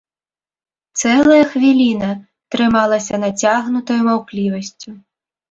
Цэлая хвіліна трымалася нацягнутаю маўклівасцю.